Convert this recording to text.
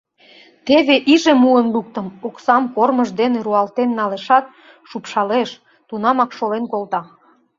Теве иже муын луктым, — оксам кормыж дене руалтен налешат, шупшалеш, тунамак шолен колта.